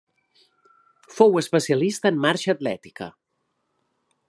Fou especialista en marxa atlètica.